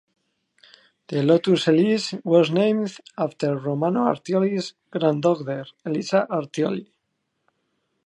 The Lotus Elise was named after Romano Artioli's granddaughter Elisa Artioli.